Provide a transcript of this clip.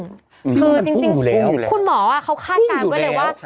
คือจริงแล้วคุณหมอเขาคาดการณ์ไว้เลยว่า